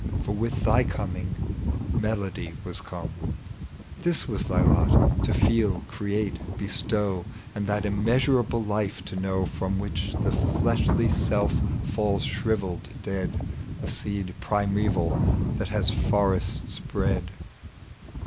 For with thy coming Melody was come. This was thy lot, to feel, create, bestow, And that immeasurable life to know .tec bv Google THE LEQEND OF JUBAL. { From which the fleshly self falls shrivelled, dead, A seed primeval that has forests bred.